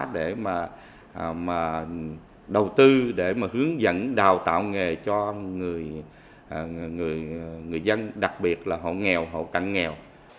để mà hướng dẫn đào tạo nghề cho người dân đặc biệt là họ nghèo họ cạnh nghèo